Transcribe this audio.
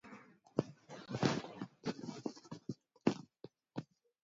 It also provides facility operations, energy management, and advisory services.